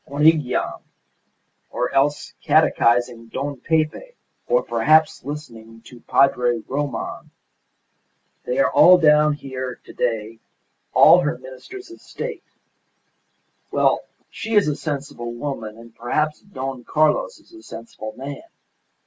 Monygham or else catechising Don Pepe or perhaps listening to Padre Roman. They are all down here to day all her ministers of state. Well, she is a sensible woman, and perhaps Don Carlos is a sensible man.